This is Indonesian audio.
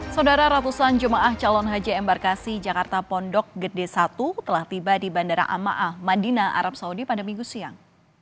saudara ratusan jemaah calon haji embarkasi jakarta pondok gede satu telah tiba di bandara amaah madinah arab saudi pada minggu siang